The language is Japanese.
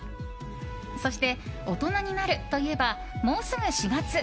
そして、大人になるといえばもうすぐ４月。